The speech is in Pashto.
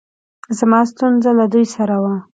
زما ستونره له دوی سره وه